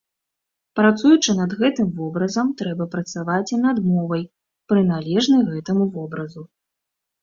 Працуючы над гэтым вобразам, трэба працаваць і над мовай, прыналежнай гэтаму вобразу.